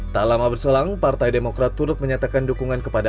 tak lama berselang partai demokrat turut menyatakan dukungan kepada